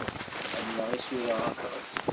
Ḥemmleɣ isura aṭas.